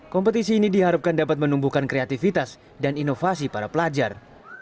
kompetisi ini diharapkan dapat menumbuhkan kreativitas dan inovasi para pelajar